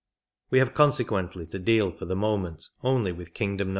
We have consequently to deal for the moment only with kingdom No.